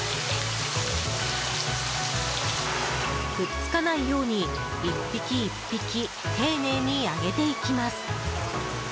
くっつかないように１匹１匹、丁寧に揚げていきます。